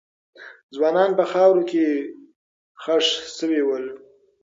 ځوانان په خاورو کې خښ سوي ول.